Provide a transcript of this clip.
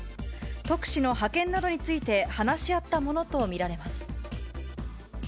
特使の派遣などについて話し合ったものと見られます。